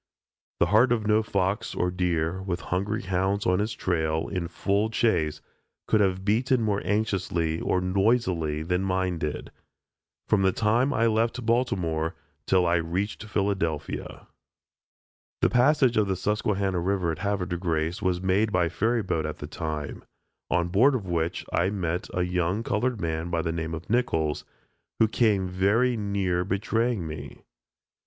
The heart of no fox or deer, with hungry hounds on his trail, in full chase, could have beaten more anxiously or noisily than did mine, from the time I left Baltimore till I reached Philadelphia. The passage of the Susquehanna river at Havre de Grace was made by ferry boat at that time, on board of which I met a young colored man by the name of Nichols, who came very near betraying me.